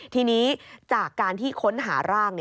ทีนี้จากการที่ค้นหาร่าง